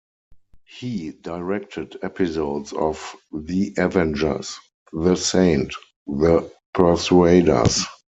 He directed episodes of "The Avengers", "The Saint", "The Persuaders!